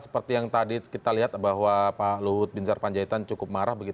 seperti yang tadi kita lihat bahwa pak luhut bin sarpanjaitan cukup marah